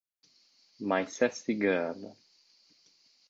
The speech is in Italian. My Sassy Girl